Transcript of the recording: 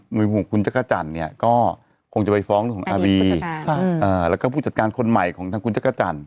มุมของคุณจักรจันทร์เนี่ยก็คงจะไปฟ้องเรื่องของอาบีแล้วก็ผู้จัดการคนใหม่ของทางคุณจักรจันท